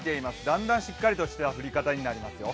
だんだんしっかりとした降り方になりますよ。